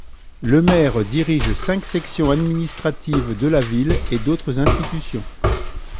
Le maire dirige cinq sections administratives de la ville et d’autres institutions.